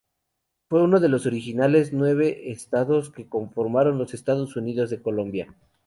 Fue uno de los originales nueve estados que conformaron los Estados Unidos de Colombia.